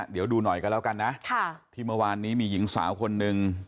เดี๋ยวดูหน่อยกันแล้วกันนะที่เมื่อวานนี้มีหญิงสาวคนหนึ่ง